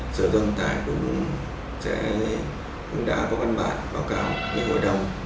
sở dân tài cũng đã có văn bản báo cáo với hội đồng